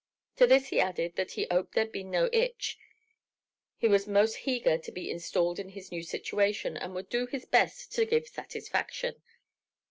To this he added that he 'oped there had been no 'itch, he was most heager to be installed in his new situation, and would do his best to give satisfaction.